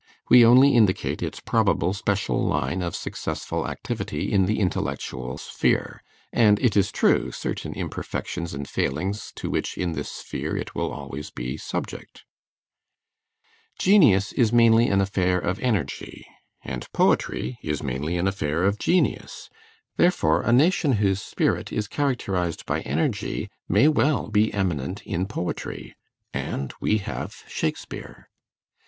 We only indicate its probable special line of successful activity in the intellectual sphere, and, it is true, certain imperfections and failings to which in this sphere it will always be subject. Genius is mainly an affair of energy, and poetry is mainly an affair of genius; therefore a nation whose spirit is characterized by energy may well be eminent in poetry; and we have Shakespeare.